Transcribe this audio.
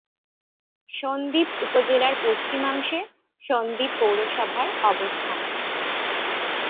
সন্দ্বীপ উপজেলার পশ্চিমাংশে সন্দ্বীপ পৌরসভার অবস্থান।